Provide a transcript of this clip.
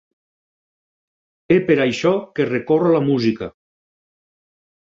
És per això que recorro a la música.